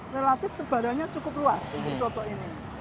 relatif sebarannya cukup luas untuk soto ini